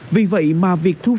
vì vậy mà việc thu phí